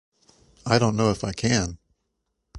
I don't know if I can.